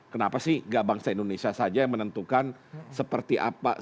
kenapa sih gak bangsa indonesia saja yang menentukan seperti apa